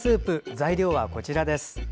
材料はこちらです。